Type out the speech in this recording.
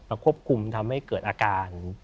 ควบคุมทำให้เกิดอาการ